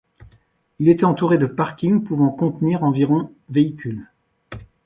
Il était entouré de parkings pouvant contenir environ véhicules.